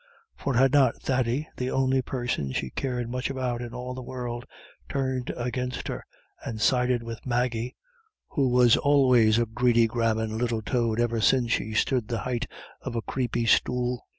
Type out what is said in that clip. For had not Thady, the only person she cared much about in all the world, turned against her and sided with Maggie, "who was always a greedy grabbin' little toad ever since she stood the height of a creepy stool?"